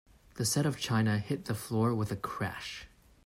The set of china hit the floor with a crash.